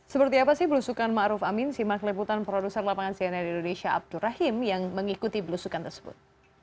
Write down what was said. seperti apa sih belusukan ma'ruf amin simak lebutan produser lapangan cnn indonesia abdur rahim yang mengikuti belusukan tersebut